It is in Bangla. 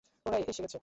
ওরা এসে গেছে।